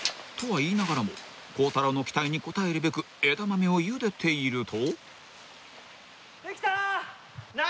言いながらも孝太郎の期待に応えるべく枝豆をゆでていると］